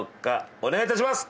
お願い致します！